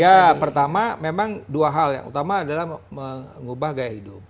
ya pertama memang dua hal yang utama adalah mengubah gaya hidup